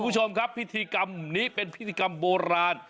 คุณผู้ชมครับพิธีกรรมนี้เป็นพิธีกรรมโบราณ